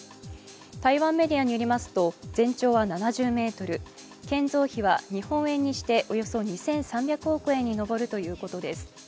台湾メディアによりますと全長は７０ｍ、建造費は日本円にしておよそ２３００億円に上るということです。